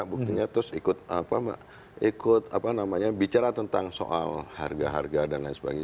buktinya terus ikut apa ikut apa namanya bicara tentang soal harga harga dan lain sebagainya